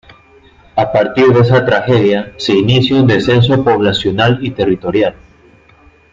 A partir de esa tragedia se inicia un descenso poblacional y territorial.